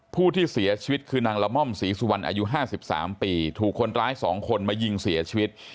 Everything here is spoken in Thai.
ผู้ที่เสียชีวิตคือนางละม่อมศรีสุวรรณอายุ๕๓ปีถูกคนร้าย๒คนมายิงเสียชีวิต